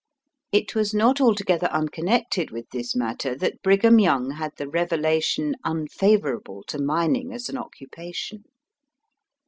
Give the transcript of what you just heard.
It was not altogether unconnected with this matter that Brigham Young had the revelation unfavour able to mining as an occupation.